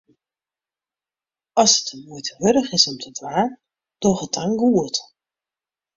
As it de muoite wurdich is om te dwaan, doch it dan goed.